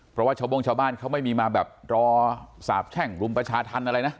เพราะว่าชาวโบ้งชาวบ้านเขาไม่มีมาแบบรอสาบแช่งรุมประชาธรรมอะไรนะ